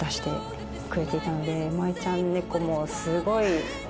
舞依ちゃん猫もすごい。